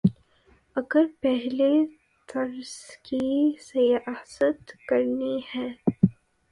اگر پہلے طرز کی سیاست کرنی ہے۔